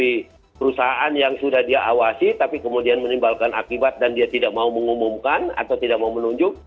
di perusahaan yang sudah dia awasi tapi kemudian menimbulkan akibat dan dia tidak mau mengumumkan atau tidak mau menunjuk